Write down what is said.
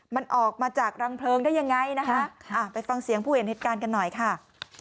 มันออกมาจากรังเพลิงได้ยังไงนะคะไปฟังเสียงผู้เห็นเหตุการณ์กันหน่อยค่ะ